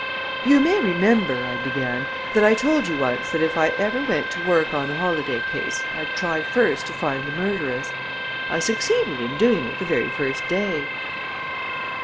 "You may remember," I began, "that I told you once that if I ever went to work on the Holladay case, I'd try first to find the murderess. I succeeded in doing it the very first day."